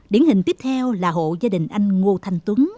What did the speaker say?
điển hình tiếp theo là hộ gia đình anh ngô thanh tuấn